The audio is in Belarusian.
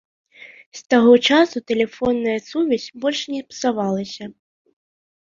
З таго часу тэлефонная сувязь больш не псавалася.